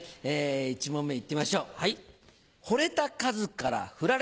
１問目いってみましょう。